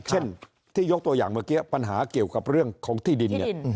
เช่นที่ยกตัวอย่างเมื่อกี้ปัญหาเกี่ยวกับเรื่องของที่ดินเนี่ย